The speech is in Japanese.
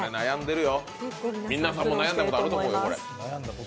皆さんも悩んだことあると思うよ。